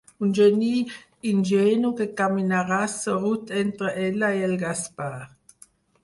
Un geni ingenu que caminarà sorrut entre ella i el Gaspar.